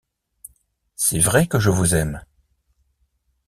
C’est vrai que je vous aime.